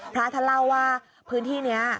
พระท่านเล่าว่าพื้นที่นี้